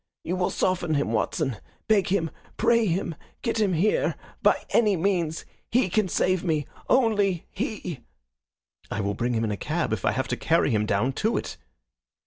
You will soften him, Watson. Beg him, pray him, get him here by any means. He can save me only he!" "I will bring him in a cab, if I have to carry him down to it."